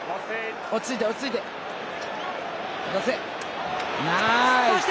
落ち着いて、落ち着いて。